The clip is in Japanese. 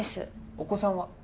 お子さんは？